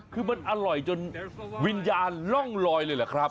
คือมันอร่อยจนวิญญาณร่องลอยเลยเหรอครับ